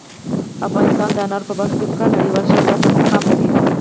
افغانستان د انارو په برخه کې پوره نړیوال شهرت او مقام لري.